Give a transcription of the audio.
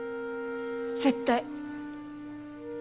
絶対！